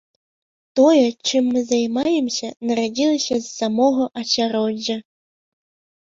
Тое, чым мы займаемся, нарадзілася з самога асяроддзя.